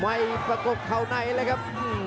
ไมค์ประกบเข้าในแล้วครับ